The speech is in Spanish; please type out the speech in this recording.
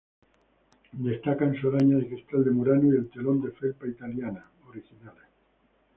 Destacan su araña de cristal de murano y el telón de felpa italiana originales.